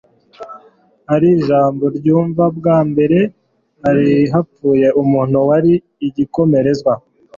iri jambo ndyumva bwa mbere hari hapfuye umuntu wari igikomerezwa